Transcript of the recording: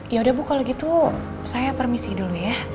yaudah bu kalau gitu saya permisi dulu ya